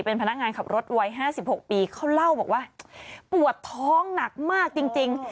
เป็นพนักงานขับรถไว้ห้าสิบหกปีเขาเล่าบอกว่าปวดท้องหนักมากจริงจริง